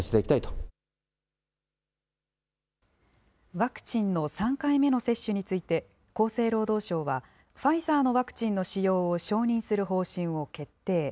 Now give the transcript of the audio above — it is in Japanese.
ワクチンの３回目の接種について、厚生労働省は、ファイザーのワクチンの使用を承認する方針を決定。